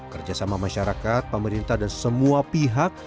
kerjasama masyarakat pemerintah dan semua pihak